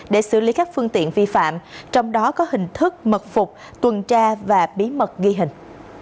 để xử lý các phương tiện vi phạm trong đó có hình thức mật phục tuần tra và bí mật ghi hình